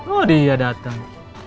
oh dia dateng